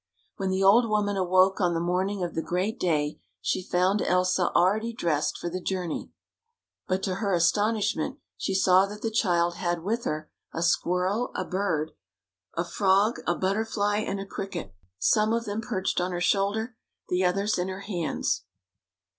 When the old woman awoke on the morning of the great day, she found Elsa already dressed for the journey, but to her astonishment she saw that the child had with her a squirrel, a bird, a frog, a butterfly, and a cricket — some of them perched on her shoulder, the others in her hands.